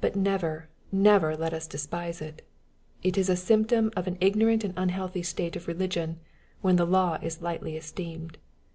But never, never let us despise it. It is a symptom of an ignorant and unhealthy state of religion, when the law is lightly esteemed.